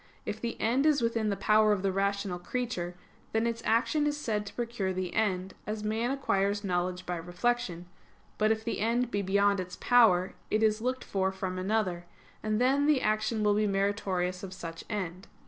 If the end is within the power of the rational creature, then its action is said to procure the end; as man acquires knowledge by reflection: but if the end be beyond its power, and is looked for from another, then the action will be meritorious of such end.